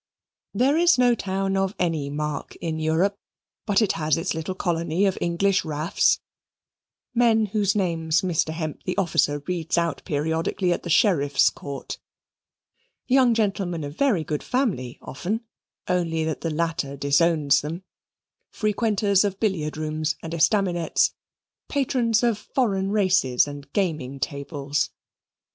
There is no town of any mark in Europe but it has its little colony of English raffs men whose names Mr. Hemp the officer reads out periodically at the Sheriffs' Court young gentlemen of very good family often, only that the latter disowns them; frequenters of billiard rooms and estaminets, patrons of foreign races and gaming tables.